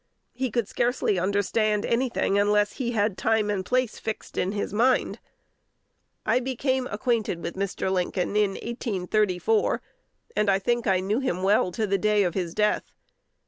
He could scarcely understand any thing, unless he had time and place fixed in his mind. I became acquainted with Mr. Lincoln in 1834, and I think I knew him well to the day of his death.